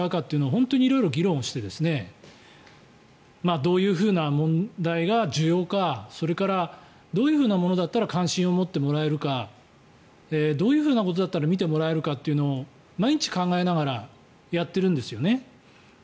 本当に色々議論してどういうふうな問題が重要かそれからどういうふうなものだったら関心を持ってもらえるかどういうことだったら見てもらえるかというのを毎日考えながらやってるんですよね。